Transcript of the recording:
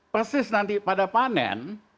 persis nanti pada panen